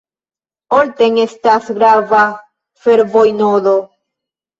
Olten estas grava fervoj-nodo.